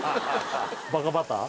バカバター？